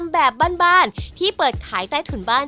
ทางแบบบนที่เปิดขายใต้ถุนบน